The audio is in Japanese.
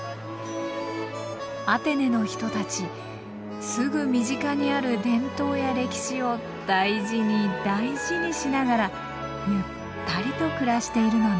アテネの人たちすぐ身近にある伝統や歴史を大事に大事にしながらゆったりと暮らしているのね。